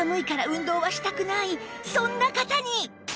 そんな方に！